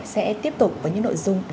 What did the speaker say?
sẽ tiếp tục với những nội dung đáng chú ý khác